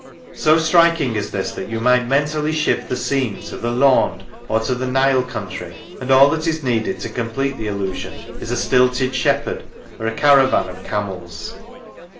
So striking is this that you might mentally shift the scene to the Landes or to the Nile country, and all that is needed to complete the illusion is a stilted shepherd or a cara van of camels.